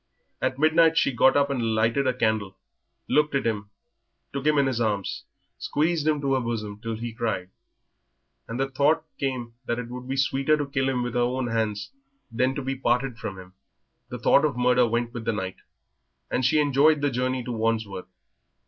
At midnight she got up and lighted a candle, looked at him, took him in her arms, squeezed him to her bosom till he cried, and the thought came that it would be sweeter to kill him with her own hands than to be parted from him. The thought of murder went with the night, and she enjoyed the journey to Wandsworth.